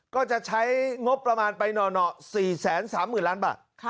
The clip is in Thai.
ก็จะใช้งบประมาณไปหน่อ๔๓๐๐๐ล้านบาท